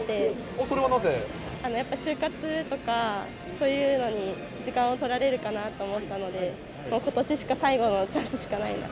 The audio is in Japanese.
やっぱ就活とか、そういうのに時間を取られるかなと思ったので、ことししか、最後のチャンス